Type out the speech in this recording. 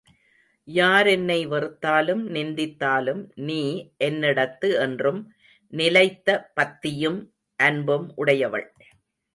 யார் என்னை வெறுத்தாலும், நிந்தித்தாலும் நீ என்னிடத்து என்றும் நிலைத்த பத்தியும் அன்பும் உடையவள்.